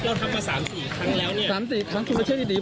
โดนทำมาสามสี่ครั้งแล้วเนี้ยสามสี่ครั้งคือเวลาเชื่อดีดี